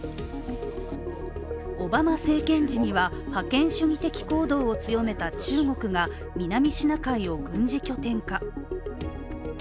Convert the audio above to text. オバマ政権時には覇権主義的行動を強めた中国が南シナ海を軍事拠点化。